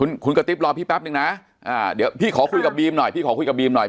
คุณคุณกระติ๊บรอพี่แป๊บนึงนะเดี๋ยวพี่ขอคุยกับบีมหน่อยพี่ขอคุยกับบีมหน่อย